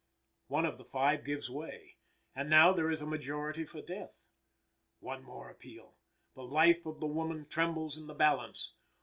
One of the five gives way, and now there is a majority for death. One more appeal! The life of the woman trembles in the balance.